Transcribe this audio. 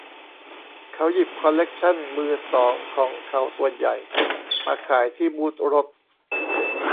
เขาหยิบคอลเล็กชั่นมือสองของเขาส่วนใหญ่มาขายที่บูทรถ